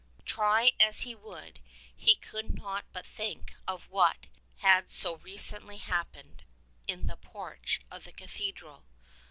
Try as he would, he could not but think of what had so recently happened in the porch of the cathedral.